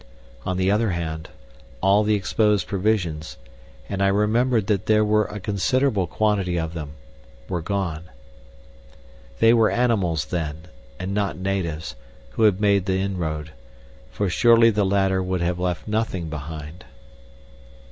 On the other hand, all the exposed provisions and I remembered that there were a considerable quantity of them were gone. They were animals, then, and not natives, who had made the inroad, for surely the latter would have left nothing behind.